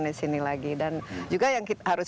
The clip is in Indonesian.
di sini lagi dan juga yang harus